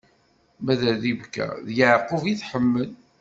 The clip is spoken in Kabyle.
Ma d Ribka, d Yeɛqub i tḥemmel.